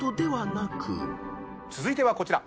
続いてはこちら。